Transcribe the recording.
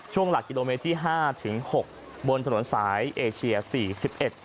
หลักกิโลเมตรที่ห้าถึงหกบนถนนสายเอเชียสี่สิบเอ็ด